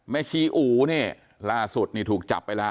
แม่ชี้อูล่าสุดนี่ถูกจับไปล่ะ